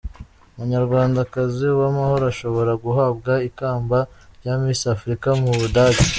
Umunyarwandakazi Uwamahoro ashobora guhabwa ikamba rya Misi Afurika Mubudage